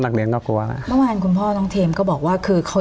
นักเรียนก็กลัวแม่งคุณพ่อน้องเทมก็บอกว่าคือเขา